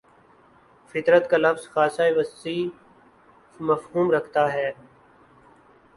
فطرت کا لفظ خاصہ وسیع مفہوم رکھتا ہے